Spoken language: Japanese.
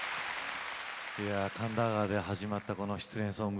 「神田川」で始まったこの失恋ソング。